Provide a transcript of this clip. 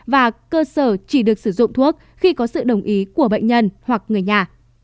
và cơ sở chỉ được sử dụng thuốc khi có sự đồng ý của bệnh nhân hoặc người nhà